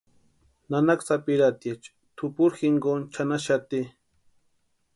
Nanaka sapirhatiecha tʼupuri jinkoni chʼanaxati.